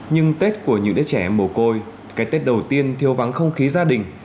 nhưng tết của những đứa trẻ em mổ côi cái tết đầu tiên thiếu vắng không khí gia đình